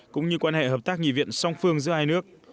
cũng như quan hệ hợp tác nghị viện song phương giữa hai nước